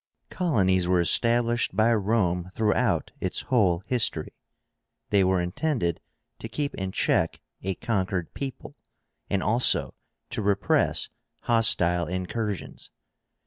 Colonies were established by Rome throughout its whole history. They were intended to keep in check a conquered people, and also to repress hostile incursions.